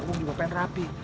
aku juga pengen rapi